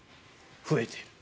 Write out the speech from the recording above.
増えている。